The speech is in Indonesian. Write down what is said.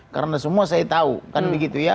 karena semua saya tahu kan begitu ya